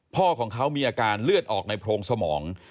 พ่อของเขามีอาการเลือดออกในโพรงสมอง